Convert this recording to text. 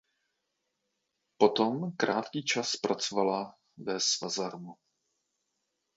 Potom krátký čas pracovala ve Svazarmu.